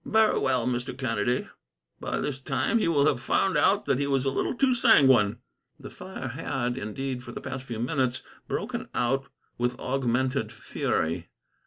"Very well, Mr. Kennedy. By this time, he will have found out that he was a little too sanguine." The fire had, indeed, for the past few minutes broken out with augmented fury.